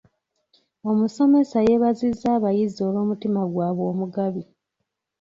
Omusomesa yeebazizza abayizi olw'omutima gwabwe omugabi.